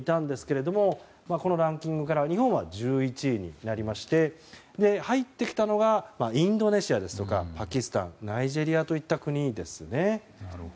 このランキングからは日本は１１位になりまして入ってきたのがインドネシアやパキスタンナイジェリアといった国ですね。